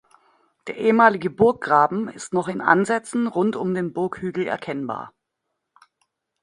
Der ehemalige Burggraben ist noch in Ansätzen rund um den Burghügel erkennbar.